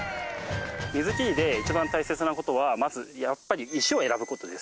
水切りで一番大切なことはまずやっぱり石を選ぶことです